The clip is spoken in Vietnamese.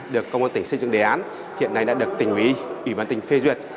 được công an tỉnh xây dựng đề án hiện nay đã được tỉnh ủy ủy ban tỉnh phê duyệt